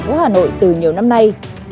của hà nội từ nhiều năm nay